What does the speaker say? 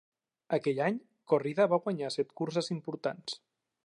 Aquell any, Corrida va guanyar set curses importants.